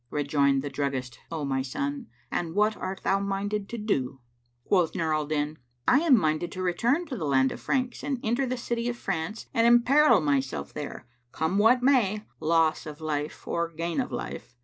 Rejoined the druggist, "O my son, and what art thou minded to do?" Quoth Nur al Din, "I am minded to return to the land of the Franks[FN#549] and enter the city of France and emperil myself there; come what may, loss of life or gain of life."